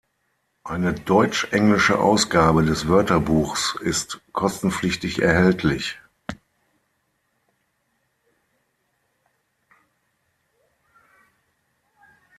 Eine deutsch-englische Ausgabe des Wörterbuchs ist kostenpflichtig erhältlich.